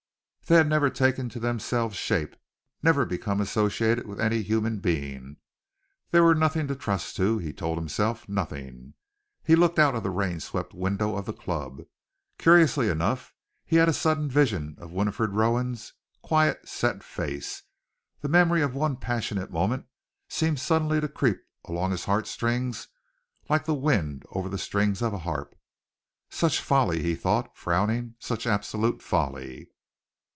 They had never taken to themselves shape, never become associated with any human being. They were nothing to trust to, he told himself, nothing. He looked out of the rain swept window of the club. Curiously enough, he had a sudden vision of Winifred Rowan's quiet, set face. The memory of one passionate moment seemed suddenly to creep along his heartstrings like the wind over the strings of a harp. Such folly, he thought, frowning! Such absolute folly!